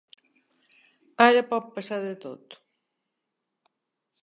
Ara pot passar de tot.